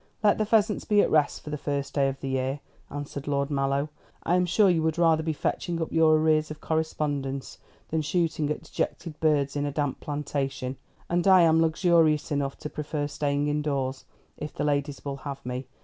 "Let the pheasants be at rest for the first day of the year," answered Lord Mallow. "I am sure you would rather be fetching up your arrears of correspondence than shooting at dejected birds in a damp plantation; and I am luxurious enough to prefer staying indoors, if the ladies will have me.